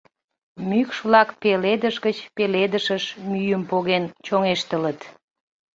Мӱкш-влак пеледыш гыч пеледышыш мӱйым поген чоҥештылыт.